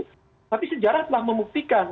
tapi sejarah telah memuktikan